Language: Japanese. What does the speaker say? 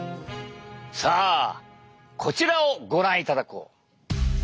さぁこちらをご覧いただこう！